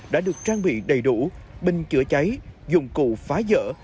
đã được trang bị đầy đủ bình chữa cháy dụng cụ phá dỡ